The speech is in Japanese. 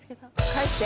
返して。